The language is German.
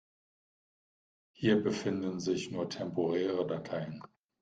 Hier befinden sich nur temporäre Dateien.